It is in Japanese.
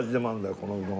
このうどんはね。